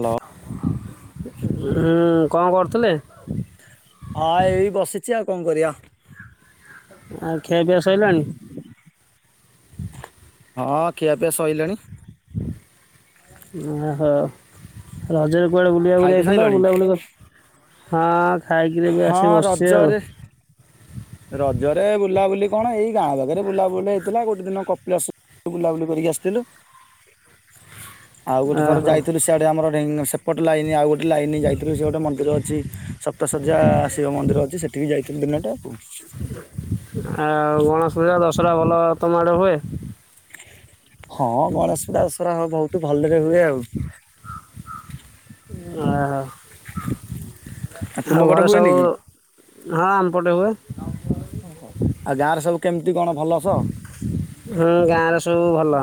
Hello. ଉଁ କଣ କରୁଥିଲେ? ହଁ ଏଇ ବସିଛି ଆଉ କଣ କରିବା? ଆଉ ଖିଆପିଆ ସଇଲାଣି? ହଁ ଖିଆପିଆ ସଇଲାଣି। ଓହୋ ରଜରେ କୁଆଡେ ବୁଲିବାକୁ ଖାଇ ପିଇ ଯାଇଥିଲ ସାଇଲଣି? ବୁଲାବୁଲି ହଁ ଖାଇକିରି ବି ହଁ ଆସି ବସସି ଆଉ। ରଜରେ ରଜରେ ବୁଲାବୁଲି କଣ ଏଇ ଗାଁ ପାଖରେ ବୁଲାବୁଲି ହେଇଥିଲା ଗୋଟେ ଦିନ କପିଳାସ ବୁଲାବୁଲି କରିକି ଆସିଥିଲୁ। [inaudible] ଆଉ ଗୋଟେ ଥର ଓହୋ ଯାଇଥିଲୁ ସେଆଡେ ଆମଢ ସେପଟ ଲାଇନ ଆଉ ଗୋଟେ ଲାଇନ ଯାଇଥିଲୁ ସେ ଗଟେ ମନ୍ଦିର ଅଛି। ସପ୍ତସଯ୍ୟା ଶିବ ମନ୍ଦିର ଅଛି ସେଠି ବି ଯାଇଥିବି ଦିନଟେ ଆଉ। ଆଉ ଗଣେଶ ପୂଜା ଦଶହରା ଭଲ ତମ ଆଡେ ହୁଏ? ହଁ ଗଣେଶ ପୁରା ଆସର ବହୁତ ଭଲରେ ହୁଏ ଆଉ। ଉଁ ଆ ତୁମ ଆଉ ପଟେ ଘରେ ହୁଏନି ସବୁ କି? ହଁ ଆମ୍ପଟେ ହୁଏ। ଓହୋ ଆଉ ଗାଁରେ ସବୁ କେମିତି କଣ ଭଲସ ହୁଁ ଗାଁରେ ସବୁ ଭଲ।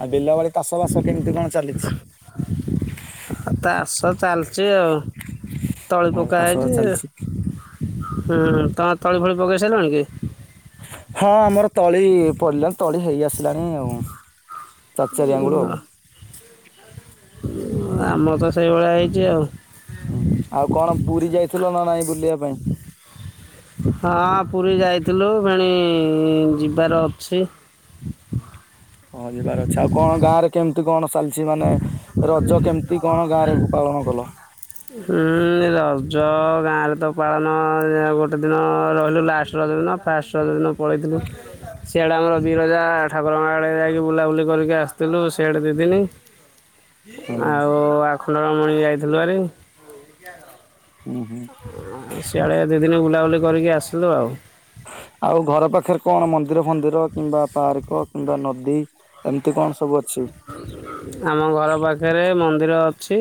ଆଉ ବିଲ ବାଡି ଚାଷ ବାସ କେମିତି କଣ ଚାଲିଛି? ଆଉ ଚାଷ ଚାଲିଛି ଆଉ ତଳି ହଁ ପକା ଚାଷ ବାସ ହେଇଛି। ଚାଲିଛି ହୁଁ ତମେ ତଳି ଫଳି ପକେଇ ସାରିଲଣି କି? ହଁ ଆମର ତଳି ପଡିଲାଣି ତଳି ହେଇ ଆସିଲାଣି ଆଉ। ଚାଚାରିଆଙ୍ଗୁଳ ଆଉ ଆମ ତ ସେଇଭଳିଆ ହେଇଛି ଆଉ। ଥିଲ ନାହିଁ ବୁଲିବା ପାଇଁ ହଁ ପୁରୀ ଯାଇଥିଲୁ ଭେଣି ଯିବାର ଅଛି। ହଁ ଯିବାର ଅଛି ଆଉ କଣ ଗାଁ ରେ କେମିତି କଣ ଚାଲିଛି ମାନେ ରଜ କେମିତି କଣ ଗାଁରେ ପାଳନ କଲ? ହୁଁ ରଜ ଗାଁ ରେ ତ ପାଳନ ଗୋଟେ ଦିନ ରହିଲୁ ଲାଷ୍ଟ ରଜ ଦିନ, ଫାଷ୍ଟ ରଜ ଦିନ ପଳେଇଥିଲୁ। ସିଆଡେ ଆମର ବିରଜା ଠାକୁରଙ୍କ ଆଡେ ଯାଇକି ବୁଲାବୁଲି କରିକି ଆସିଥିଲୁ ସିଆଡେ ଦିଦିନି ହୁଁ ଆଉ ଆଖଣ୍ଡଳମଣି ଯାଇଥିଲୁ ହାରି [unintelligible] ହୁଁ ହୁଁ ସିଆଡ଼େ ଦୁଇ ଦିନ ବୁଲାବୁଲି କରିକି ଆସିଲୁ ଆଉ ଆଉ ଘର ପାଖରେ କଣ ମନ୍ଦିର ଫନ୍ଦିର କିମ୍ବା ପାର୍କ କିମ୍ବା ନଦୀ ଏମିତି କଣ? ସବୁ ଅଛି? ଆମ ଘର ପାଖରେ ମନ୍ଦିର ଅଛି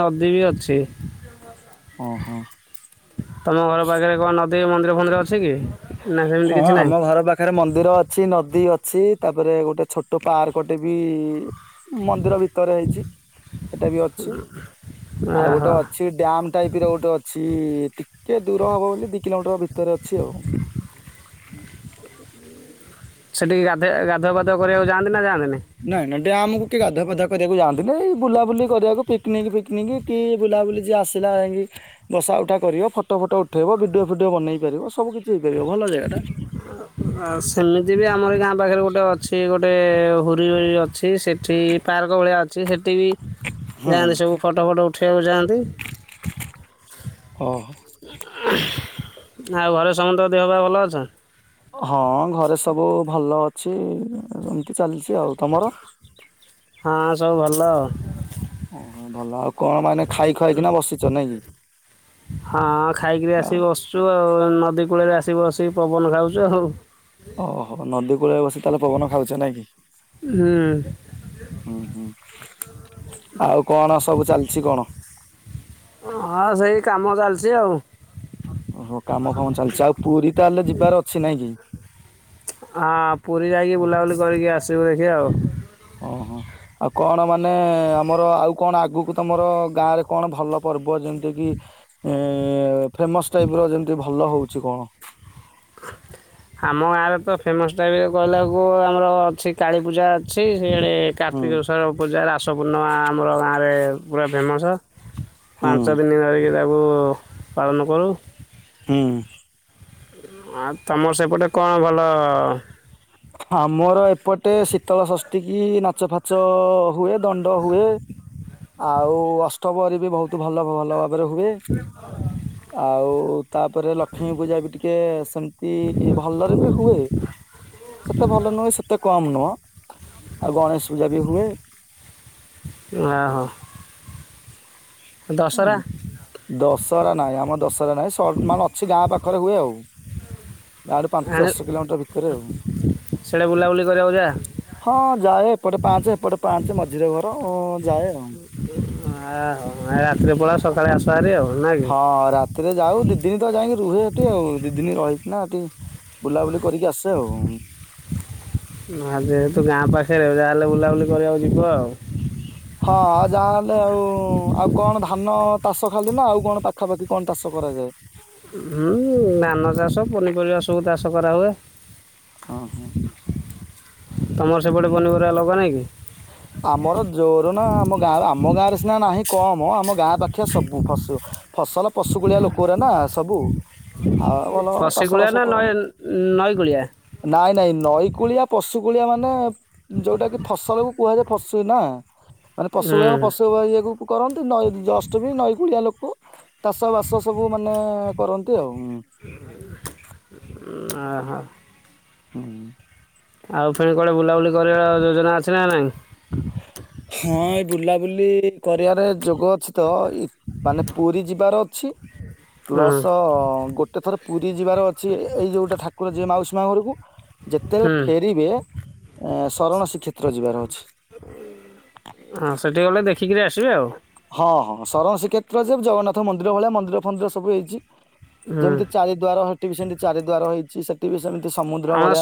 ନଦୀ ବି ଅଛି ଓହୋ । ତମ ଘର ପାଖରେ କଣ ନଦୀ ମନ୍ଦିର ଫନ୍ଦିର ଅଛି କି? ନା ସେମିତି ହଁ କିଛି ନାହିଁ ଆମ ଘର ପାଖରେ ମନ୍ଦିର ଅଛି, ନଦୀ ଅଛି [inaudible] ଅଛି ତାପରେ ଗୋଟେ ଛୋଟ ପାର୍କଟେ ବି ମନ୍ଦିର ଭିତରେ ହେଇଛି, ସେଟା ବି ଅଛି । ଆଉ ଗୋଟେ ଓହୋ ଅଛି ଡାମ ଟାଇପ ର ଗୋଟେ ଅଛି ଟିକେ ଦୂର ହବ ବୋଲି ଦି କିଲୋମିଟର ଭିତରେ ଅଛି ଆଉ। [unintelligible] ସେଠିକି ଗାଧ ଗାଧଆ ପାଧୁଆ କରିବାକୁ ଯାଆନ୍ତି ନା ଯାଆନ୍ତି [inaudible] ନାଇଁ ନାଇ ଡ୍ୟାମକୁ ଆମକୁ କିଏ ଗାଧୋଇବାଧା [unintelligible] କରିବାକୁ ଯାଆନ୍ତି ବୁଲାବୁଲି କରିବାକୁ ପିକିକିକିକ କି ବୁଲାବୁଲି ଯି ଆସା ଯ ବ [inaudible] ତାଉଟା କରିବ, ଫଟୋ ଫଟୋ ଉଠେଇବ ଭିଡ଼ିଓ ଫିଡ଼ିଓ ବନେଇ ପାରିବ, ସବୁ କିଛି ହେଇପାରିବ ଭଲ ଜାଗା ଟା। ଆ ସେମିତି ବି ଆମର ଗାଁ ପାଖରେ ଗୋଟେ ଅଛି ଗୋଟେ ଗୋଟେ ହୁରି ହୁରି ଅଛି ସେଠି ପାର୍କ ଭଳିଆ ଅଛି । ସେ ସେଠି ବି ହଁ। ଯାଆନ୍ତି ସବୁ, ଫଟୋ ଫଟୋ ଉଠିବାକୁ ଯାଆନ୍ତି । ଓ [unintelligible] ଆଉ ଘରେ ସମସ୍ତଙ୍କ ଦେହ ପା ଭଲ ଅଛି? ହଁ ଘରେ ସବୁ ଭଲ ଅଛି, ଏମତି ଚାଲିଛି। କି ଆଉ ତମର? ହଁ ସବୁ ଭଲ ଓ ଭଲ ଆଉ କଣ ମାନେ ଖାଇ ଖାଇକିନା ବସିଛ ନାଇଁ କି? ହଁ ଖାଇକିରି ଆସିକି ବସୁଛୁ ଆଉ ନଦୀ କୂଳରେ ଆସିକି ବସିକି ପବନ ଖାଉଛୁ ଆଉ [inaudible] ଓହୋ ନଦୀ କୂଳ ବସି ତାହେଲେ ପବନ ଖାଉଛ? ନାଇଁ କି -? ହୁଁ ହୁଁ ଆଉ କଣ ସବୁ ଚାଲିଛି କଣ? [unintelligible] ଯେଓ [unintelligible] ଓହୋ, କାମ ଫାମ ଚାଲିଛି ଆଉ, ପୁରୀ ତାହଲେ ଯିବାର ଅଛି ନାଇଁ କି? ହଁ ପୁରୀ ଯାଇକି ବୁଲାବୁଲି କରିକି ଆସିବୁ ଦେଖି ଆଉ ଓହୋ, ଆଉ କଣ ମାନେ ଆମର ଆଉ କଣ ଆଗକୁ ତମର ଗାଁ ରେ କଣ ଭଲ ପ ପର୍ବ ଯେମିତି କି ଏ ଫେମସ ଟାଇପ ର ଯେମତି ଭଲ ହଉଛି କଣ? ଆମ ଗାଁ ରେ ତ ଫେମସ ଟାଇପ କହିଲକୁ ଆମର ଅଛି କାଳୀପୂଜା ଅଛି । ସେଆଡ଼େ ହୁଁ କାର୍ତ୍ତିକେଶ୍ୱର ପୂଜା, ରାସ ପୂର୍ଣ୍ଣିମା ଆମର ଗାଁରେ ପୁରା ଫେମସ ହୁଁ ପାଞ୍ଚ ଦିନ ଧରିକି ତାକୁ ପାଳନ କରୁ। ହୁଁ। ଆଉ ତମର ସେପଟେ କଣ ଭଲ ? ଆମର ଏପଟେ ଶୀତଳ ଶଷ୍ଟି କି ନାଚ ଫାଚ ହୁଏ । ଦଣ୍ଡ ହୁଏ ଆଉ, ଅଷ୍ଟପ୍ରହରୀ ବି ବହୁତ ଭଲ ଭଲ ର ହୁଏ ଆଉ ତାପରେ ଲକ୍ଷ୍ମୀ ପୂଜା ବି ଟିକେ ସେମିତି ଭଲରେ ବି ହୁଏ। ହୁଁ [unintelligible] ସେତେ ଭଲ ନୁହେଁ, ସେତେ କମ୍ ନୁହଁ, ଆଉ ଗଣେଶ ପୂଜା ବି ହୁଏ। ଓ ହୋ [unintelligible] ଦଶହରା ନାଇଁ ଆମ ଦଶହ ନାଇଁ ମାନେ ଅଛି ଗାଁ ପାଖରେ ହୁଏ ଆଉ ଗାଁ ରୁ ପାଞ୍ଚ ଆଣି ଦଶ କିଲୋମିଟର ଭିତରେ ଆଉ ସିଆଡ଼େ ବୁଲାବୁଲି କରିବାକୁ ଯା ହଁ ଯାଏ । ଏପଟେ ପାଞ୍ଚେ ଏପଟେ ପାଞ୍ଚେ ମଝିରେ ଘର ଯାଏ ଆଉ ଆଉ ଆ ରାତିରେ ପଳା ସକାଳେ ଆସହାରି ଆଉ। ନା କି ହଁ ରାତିରେ ଯାଉ ଦିଦିନି ତ ଯାଇ ରୁହେ ଏଠି ଆଉ ଦିଦିନି ରହିକିନା ଏଠି ବୁଲାବୁଲି କରିକି ଆସେ ଆଉ। ଆ ତ ଗାଁ ପା ସେ ଯାହା ହେଲେବୁଲି କରିବାକୁ ଯିବ ଆଉ। ହଁ ଆଉ ଯାହାହେଲେ ଆଉ ଆଉ କଣ ଧାନ? ଚାଷ ଖାଲି ନା ଆଉ କଣ ପାଖାପାଖି କଣ ଚାଷ କରାଯାଏ? ହୁଁ ଧାନ ଚାଷ ପନିପରିବା ସବୁ ଚାଷ କରାହୁଏ। ଓହୋ। ତମର ସେପଟେ ପନିପରିବା ଲଗା ନାଇଁ କି? ଆମର ଜୋର ନା ଆମ ଗାଁ ଆମ ଗାଁରେ ସିନା ନାହିଁ କମ ଆମ ଗାଁ ପାଖିଆ ସବୁ ଫସ ଫସଲ ପଶୁ କୁଳିଆ ଲୋକଓରା ନା ସବୁ। ଆଉ ଭଲ ଚାଷ ପଶିକୁଳିଆ ବାସ ନା ନଈ କରନ୍ତି। ନଈକୂଳିଆ ନାଇଁ ନାଇଁ ନଈ କୂଳିଆ ପଶୁ କୁଳିଆ ମାନେ ଯୋଉଟା କି ଫସଲକୁ କୁହାଯାଏ ଫସୁ ନା ମାନେ ପଶୁ ଓହୋ ପଶୁଇଏକୁ କରନ୍ତି ନଈ ଜଷ୍ଟ ବି ନଈ କୁଳିଆ ଲୋକ। ଚାଷ ବାସ ସବୁ ମାନେ କରନ୍ତି ଆଉ। ଆ ହା। ହୁଁ। ଆଉ ଫୁଣି କୁଆଡେ ବୁଲାବୁଲି କରିବା ଯୋଜନା ଅଛି ନା ନାଇଁ? ହଁ ଏଇ ବୁଲାବୁଲି କରିବାରେ ଯୋଗ ଅଛି ତ ମାନେ ପୁରୀ ଯିବାର ଅଛି ହୁଁ ପ୍ଲସ ଗୋଟେ ଥର ପୁରୀ ଯିବାର ଅଛି ଏଇ ଯୋଉଟା ଠାକୁର ଯିଏ ମାଉସୀ ମା ଘରକୁ ଯେତେବେଳେ ହୁଁ ଫେରିବେ ଏ ସରଣ ଶ୍ରୀକ୍ଷେତ୍ର ଯିବାର ଅଛି। ହଁ ସେଠିକି ଗଲେ ଦେଖିକିରି ଆସିବେ ଆଉ। ହଁ ହଁ ସରଣ ଶ୍ରୀକ୍ଷେତ୍ର ଯେ ଜଗନ୍ନାଥ ମନ୍ଦିର ଭଳିଆ ମନ୍ଦିର ଫନ୍ଦିର ସବୁ ହୋଇଛି। ହୁଁ ଯେମିତି ଚାରିଦ୍ଵାର ହେଠିବି ସେମିତି ଚାରିଦ୍ୱାର ହେଇଛି ସେଠି ବି ସେମତି ଆମ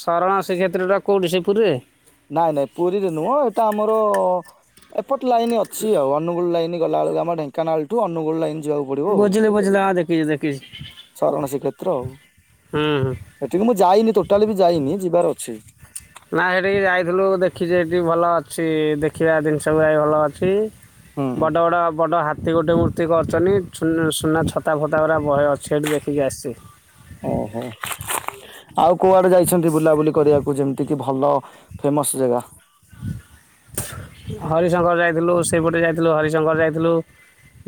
ଶରଣଶ୍ରୀକ୍ଷେତ୍ର ଟା କୋଉଠି ସେପୁରୀରେ? ନାଇଁ ନାଇଁ ପୁରୀରେ ନୁହଁ ଏଟା ଆମର ପଟ ଲାଇନ୍ ଅଛି ଆଉ ଅନୁଗୁଳ ଲାଇନ୍ ଗଲାବେଳକୁ ଆମ ଢେଙ୍କାନାଳ ଠୁ ଅନୁଗୁଳ ଲାଇନ୍ ବୁଝିଲି ବୁଝିଲି ଆ ଦେଖିଚି ଦେଖ ସରଣ ଶ୍ରୀକ୍ଷେତ୍ର ଆଉ ହୁଁ ହୁଁ ସେଠିକି ମୁଁ ଯାଇନି ଟୋଟାଲି ବି ଯାଇନି ଯିବି। ଯିବାର ଅଛି। ନା ସେଠିକି ଯାଇଥିଲୁ ଦେଖିଛି ହେଠି ଭଲ ଅଛି ଦେଖିବା ଜିନିଷ ପ୍ରାୟେ ଭଲ ଅଛି। ହୁଁ। ବଡ ବଡ ବଡ ହା ସେ ଗୋଟେ ମୂର୍ତ୍ତି କରୁଛନ୍ତି ସୁ ସୁନା ଛତା ଫତା ଗୁରା ବହେ ଅଛି ଦେଖିକି ଆସିଛି। ଓହୋ ଆଉ କୁଆଡେ ଯାଇଛନ୍ତି ବୁଲାବୁଲି କରିବାକୁ ଯେମିତି କି ଭଲ ଫେମସ ଜାଗା? ହରିଶଙ୍କର ଯାଇଥିଲୁ ସେପଟେ ଯାଇଥିଲୁ ହରିଶଙ୍କର ଯାଇଥିଲୁ।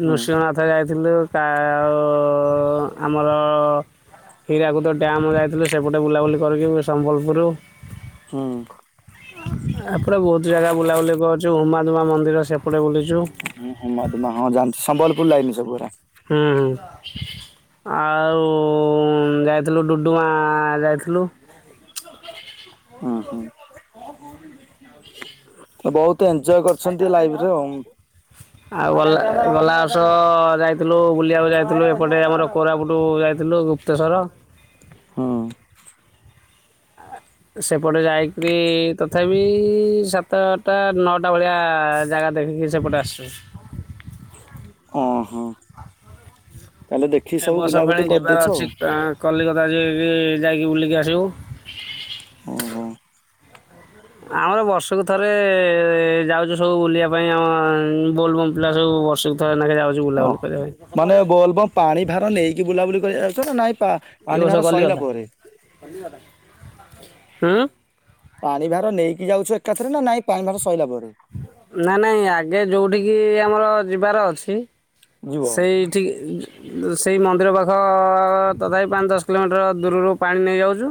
ହୁଁ ନୃସିଂହନାଥ ଯାଇଥିଲୁ ଆଉ ଆମର ହୀରାକୁଦ ଡ୍ୟାମ ଯାଇଥିଲୁ ସେପଟେ ବୁଲାବୁଲି କରିକି ସମ୍ବଲପୁରରୁ ହୁ। ଏପଟେ ବହୁତ ଜାଗା ବୁଲାବୁଲି କରୁଛୁ ହୁମାଧୁମା ମନ୍ଦିର ସେପଟେ ବୁଲିଛି। ହୁଁ ହୁମାଦୁମା ହଁ ଜାଣିଛି ସମ୍ବଲପୁର ଲାଇନି ସେଗୁଡା। ହୁଁ ହୁଁ। ଆଉ ଯାଇଥିଲୁ ଡୁଡୁମା ଯାଇଥିଲୁ। [inaudible] ତ ବହୁ ଆଉ ଗଲା ଗଲା ବ ର୍ଷ ଯାଇଥିଲୁ ବୁଲିବାକୁ ଯାଇଥିଲୁ ଏପଟେ ଆମର କୋରାପୁଟୁ ଯାଇଥିଲୁ ଗୁପ୍ତେଶ୍ଵର। ହୁଁ। ସେପଟେ ଯାଇକରି ତଥାପି ସାତଟା ନଅଟା ଭଳିଆ ଜାଗା ଦେଖିକି ସେପଟେ ଆସୁଚୁ। ଓଁ ହଁ। ଏ ବର୍ଷ ଫେଣେ ଯିବାର ଅଛି ତାଂ କଲିକତା ଯେ-ଯେ ଯାଇକି ବୁଲି କି ଆସିବୁ। ଓହୋ। ଆମର ବର୍ଷକୁ ଥରେ ଯାଉଚୁ ସବୁ ବୁଲିବା ପାଇଁ ଆମ ବୋଲବମ୍ ପିଲା ସବୁ ବର୍ଷକୁ ଥରେ। ଲେଖା ଯାଉଛୁ ବୁଲାବୁଲି କରିବା ଓହୋ ପାଇଁ ମାନେ ବୋଲ୍ ବମ୍ ପାଣି ଭାର ନେଇକି ବୁଲାବୁଲି କରିବାକୁ ଯାଉଚ ନା ଏଇ ପାଣି ଭାର ସଇଲା ପରେ ଉଁ। ପାଣି ଭାର ନେଇକି ଯାଉଚୁ ଏକାଥରେନା ନା ଏଇ ପାଣି ଭାର ସଇଲା ପରେ। ନା ନାଇଁ ଆଗେ ଯୋଉଠିକି ଆମର ଯିବାର ଅଛି। ଯିବ? ସେଇଠିକି ସେଇ ମନ୍ଦିର ପାଖ ତଥାପି ପାଞ୍ଚ ଦଶ କିଲୋମିଟର ଦୂରରୁ ପାଣି ନେଇଆଉଚୁ।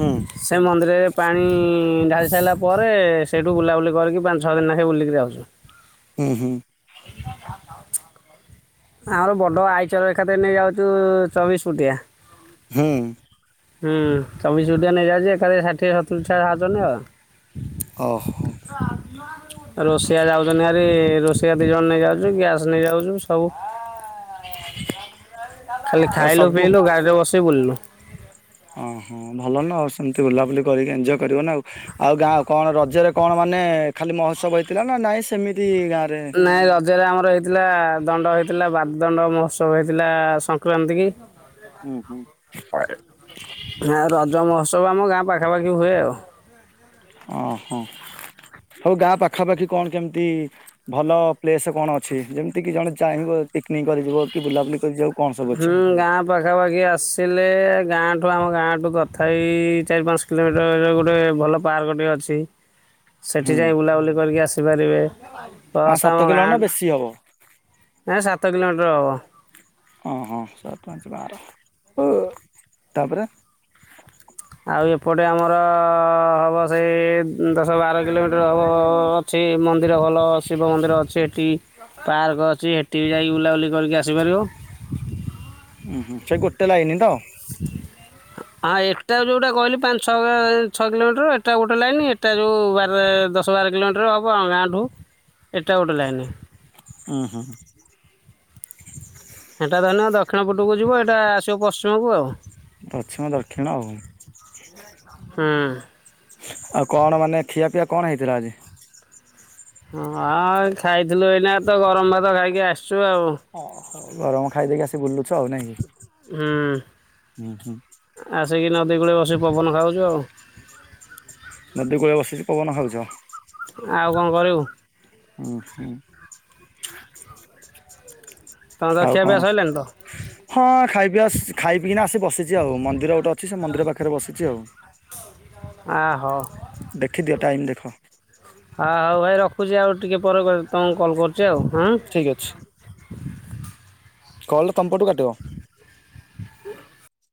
ହୁଁ ସେ ମନ୍ଦିରରେ ପାଣି ଢାଳି ସାରିଲା ପରେ ସେଇଠୁ ବୁଲାବୁଲି କରିକି ପାଞ୍ଚ ଛଅ ଦିନ ନାଖେ ବୁଲିକିରି ଆସୁ। ଉଁ ହୁଁ। ଆମର ବଡ ଆଇଚର୍ ଏକା ଥରେ ନେଇ ଯାଉଚୁ ଚବିଶି ଫୁଟିଆ। ହୁଁ। ହୁଁ ଚବିଶ ଫୁଟିଆ ନେଇଯାଉଚୁ ଏକା ଥରେ ଷାଠିଏ ସତୁରୀ ଛୁଆ ଯାଉଚନ୍ତି ଉଚନ୍ତି ଆଉ। ଅ ହୋ । ରୋଷେୟା ଯାଉଚନ୍ତିଭାରି ରୋଷେୟା ଦି ଜଣ ନେଇ ଯାଉଚୁ ଗ୍ୟାସ୍ ନେଇଯାଉଚୁ ସବୁ ଖାଲି ତ ଖାଇଲୁ ପିଇଲୁ ଗାଡିରେ ବସିକି ବୁଲିଲୁ। ହଁ ହଁ ଭଲ ନା ଆଉ ସେମିତି ବୁଲାବୁଲି କରିକି ଏଞ୍ଜୟ କରିବନା ଆଉ। ଆଉ ଗାଁ କଣ ର ରଜରେ କଣ ମାନେ ଖାଲି ମହୋତ୍ସବ ହେଇଥିଲା ନା ନାଇଁ ସେମିତି ଗାଁରେ? ନାଇଁ ରଜରେ ଆମର ହେଇଥିଲା ଦଣ୍ଡ ହେଇଥିଲା। ବାଗ୍ ଦଣ୍ଡ ମ ଉତ୍ସବ ହେଇଥିଲା ସଂକ୍ରାନ୍ତି କି। ହୁଁ ହୁଁ। ନା ରଜ ମହୋତ୍ସବ ଆମ ଗାଁ ପାଖାପାଖି ହୁଏ ଆଉ। ଅ ହ ହୋଉ ଗାଁ ପାଖାପାଖି କଣ କେମିତି ଭଲ ପ୍ଲେସ୍ କଣ ଅଛି? ଯେମିତିକି ଜଣେ ଚାହିଁବ ପିକନିକ୍ କରିଯିବ କି ବୁଲାବୁଲି କରିିଯାଉ। ହୁଁ ଗାଁ ପାଖାପାଖି ଆସିଲେ। ଗାଁଠୁ ଆମ ଗାଁଠୁ ତଥାପି ଚାରି ପାଞ୍ଚ କିଲୋମିଟର ଗୋଟେ ଭଲ ପାର୍କ ଟେ ଅଛି। ହୁଁ ସେଠି ଯାଇ ବୁଲାବୁଲି କରିକି ଆସିପାରିବେ। ପାଞ୍ଚ ପ୍ଳସ୍ ସାତ ଆମ କିଲୋ ନା ଗାଁ ବେଶୀ ହବ ଏ ସାତ କିଲୋମିଟର ହବ। ହଁ ହଁ ସାତ ପାଞ୍ଚେ ବାର ଓ ତାପରେ ଆଉ ଏପଟେ ଆମର ହବ ସେଇ ଦଶ ବାର କିଲୋମିଟର ହବ ଅଛି ମନ୍ଦିର। ଭଲ ଶିବ ମନ୍ଦିର ଅଛି ଏଠି। ପାର୍କ ଅଛି ହେଠିବି ଯାଇକି ବୁଲାବୁଲି କରିକି ଆସିପାରିବ। ଉଁ ହୁଁ ସେ ଗୋଟେ ଲାଇନି ତ? [inaudible] ହଁ ଏଟା ଯୋଉଟା କହିଲି ପାଞ୍ଚ ଛ-ଛଅ କିଲୋମିଟର ଏଟା ଗୋଟେ ଲାଇନ୍ ଏଟା ଯୋଉବାରେ ଦଶ ବାର କିଲୋମିଟର ହେବ ଆମ ଗାଁଠୁ ଏଟା ଗୋଟେ ଲାଇନ୍। ଉଁ ହୁଁ। ସେଟା ଧରି ନିଅ ଦକ୍ଷିଣ ପଟୁକୁ ଯିବ ଏଟା ଆସିବ ପଶ୍ଚିମକୁ ଆଉ। ପଶ୍ଚିମ ଦକ୍ଷିଣ ଆଉ। ହୁଁ। ଆଉ କଣ ମାନେ ଖିଆ ପିଆ କଣ ହେଇଥିଲା ଆଜି? ହଁ ଆ ଖାଇଥିଲୁ ଏଇନା ତ ଗରମ ଭାତ ଖାଇକି ଆସୁଚୁ ଆଉ। ଓହୋ ଗରମ ଖାଇ ଦେଇକି ଆସି ବୁଲୁଚୁ ଆଉ ନାଇଁ କି। ହୁଁ ହୁଁ ହୁଁ ଆସ ସିକି ନଦୀ କୁଳେ ବସିିକି ପବନ ଖାଉଛୁ ଆଉ । ନଦୀ କୁଳେ ବସିଛି ପବନ ଖାଉଛ । ଆଉ କଣ କରିବୁ । ହୁଁ ହୁଁ । ତମର ତ ଖୀଆପିୟା ସଇଲାନି ତ । ହଁ ଖାଇପିଇ ଆସ ଖାଇ ପି କି ନା ଆସି ବସିଛି ଆଉ ମନ୍ଦିର ଗୋଟେ ଅଛି ସେ ମନ୍ଦିର ପାଖରେ ବସିଛି ଆଉ । ଆ ହ । ଦେଖିଦିଅ ଟାଇମ୍ ଦେଖ । ହଁ ହଉ ଭାଇ ରଖୁଛି ଆଉ ଟିକେ ପରେ କ ତମକୁ କଲ୍ କରୁଛି ଆଉ ହଁ । କଲ ତମପଟୁ କାଟିବ। [inaudible]